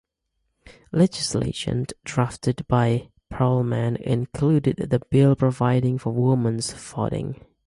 Legislation drafted by Perlman included the bill providing for women's voting.